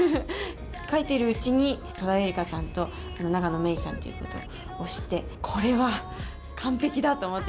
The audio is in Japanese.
書いているうちに、戸田恵梨香さんと、永野芽郁さんということを知って、これは完璧だと思って。